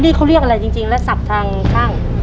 นี่เบอร์อะไรจริงและศัพท์ทางข้าง